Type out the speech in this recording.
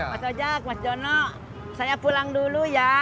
mas ojek mas jono saya pulang dulu ya